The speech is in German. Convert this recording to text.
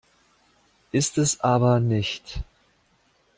Ist es aber nicht.